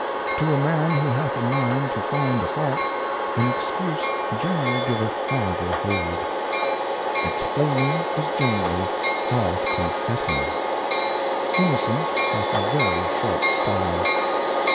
To a Man who hath a mind to find a Fault, an Excuse gene rally giveth farther hold. Explaining is generally half confessing. Innocence hath a very short Style.